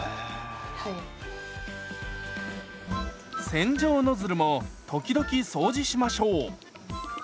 洗浄ノズルも時々掃除しましょう。